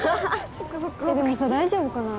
でもさ大丈夫かな。